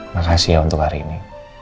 makasih ya untuk hari ini